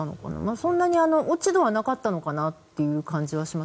そんなに落ち度はなかったのかなという感じはします。